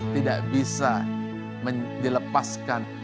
tidak bisa dilepaskan